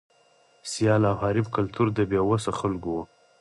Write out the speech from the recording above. سیال او حریف کلتور د بې وسو خلکو و.